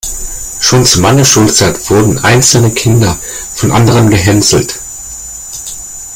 Schon zu meiner Schulzeit wurden einzelne Kinder von anderen gehänselt.